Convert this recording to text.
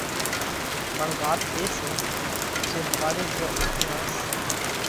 پڻ وات اي سئہ جي ۿواري زئيون اٿياس،